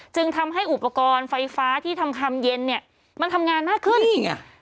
จึงทำให้อุปกรณ์ไฟฟ้าที่ทำคำเย็นเนี่ยมันทำงานมากขึ้นนี่ไง